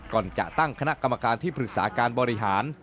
ก่อนจะตั้งคณะกรรมการที่ปรึกษาการบริหาร